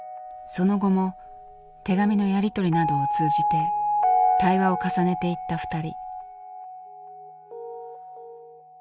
その後も手紙のやり取りなどを通じて対話を重ねていった２人。